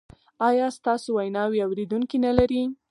ایا ستاسو ویناوې اوریدونکي نلري؟